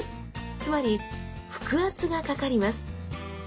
つまり腹圧がかかります。